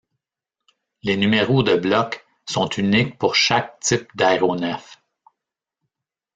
Les numéros de blocs sont uniques pour chaque type d'aéronef.